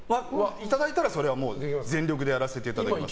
いただいたら、それはもう全力でやらせていただきます。